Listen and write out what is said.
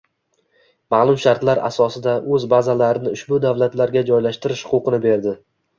ma’lum shartlar asosida o‘z bazalarini ushbu davlatlarga joylashtirish huquqini berdi.